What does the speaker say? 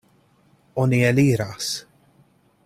Oni eliras.